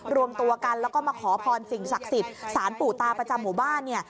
รวมตัวกันแล้วก็มาขอพรสิ่งศักดิ์สิทธิ์สารปู่ตาประจำหมู่บ้านเนี่ย